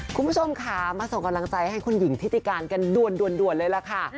คุณผู้ชมค่ะมาส่งกำลังใจให้คุณหญิงทิติการกันด่วนเลยล่ะค่ะ